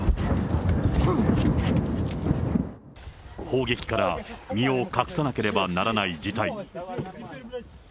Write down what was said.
砲撃から身を隠さなければならない事態に。